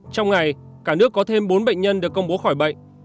trong ngày cả nước có thêm bốn bệnh nhân được công bố khỏi bệnh